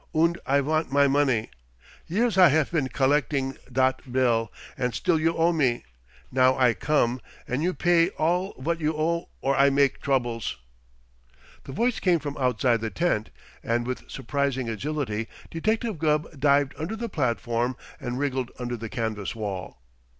Und I vant my money! Years I haf been collecding dot bill, und still you owe me. Now I come, and you pay me all vot you owe or I make troubles!" The voice came from outside the tent, and with surprising agility Detective Gubb dived under the platform and wriggled under the canvas wall.